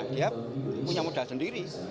dia punya modal sendiri